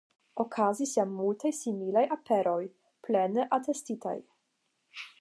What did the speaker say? Okazis ja multaj similaj aperoj, plene atestitaj.